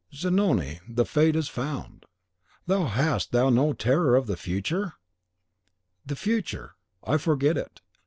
"Zanoni, the fate is found." "And hast thou no terror of the future?" "The future! I forget it!